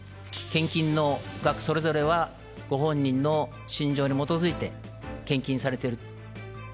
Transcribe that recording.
献金の額、それぞれはご本人の信条に基づいて献金されていると。